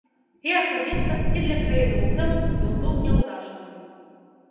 І асабіста, і для краіны ў цэлым ён быў няўдачным.